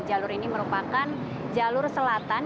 jalur ini merupakan jalur selatan